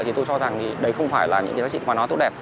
thì tôi cho rằng đấy không phải là những cái gì mà nó tốt đẹp